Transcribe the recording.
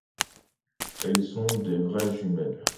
Elles sont des vraies jumelles.